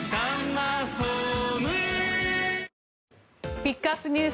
ピックアップＮＥＷＳ